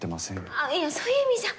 あっいやそういう意味じゃ。